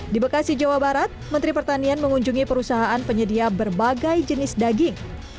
di bekasi jawa barat menteri pertanian mengunjungi perusahaan penyedia berbagai jenis daging